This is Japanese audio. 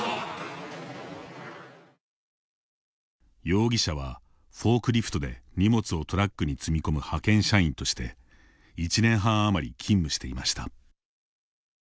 容疑者は、フォークリフトで荷物をトラックに積み込む派遣社員として１年半あまり勤務していました。